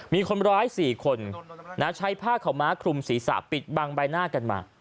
มีคนร้าย๔คนใช้ผ้าขาวม้าคลุมศีรษะปิดบังใบหน้ากันมา